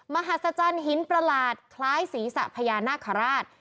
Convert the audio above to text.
มหัศจรรย์หินประหลาดคล้ายศีรษะพญานาคาราช